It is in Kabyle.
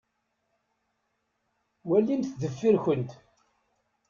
Walimt deffir-nkent.